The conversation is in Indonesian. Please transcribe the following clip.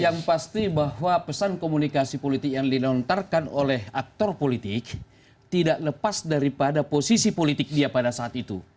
yang pasti bahwa pesan komunikasi politik yang dilontarkan oleh aktor politik tidak lepas daripada posisi politik dia pada saat itu